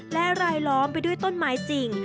และรายล้อมไปด้วยต้นไม้จริง